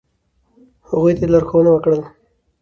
، هغوی ته یی لارښونه وکړه ل